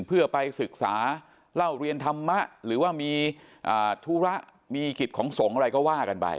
เพื่อไปศึกษาเล่าเรียนธรรมะหรือว่ามีธุระมีกิจของสงฆ์อะไรก็ว่ากันไป